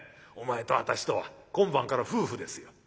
お前と私とは今晩から夫婦ですよ。